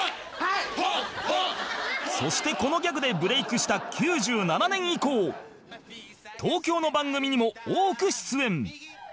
そしてこのギャグでブレイクした９７年以降東京の番組にも多く出演